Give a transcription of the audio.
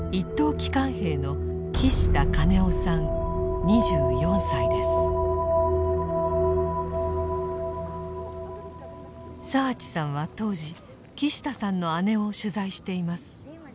機関兵の澤地さんは当時木下さんの姉を取材しています。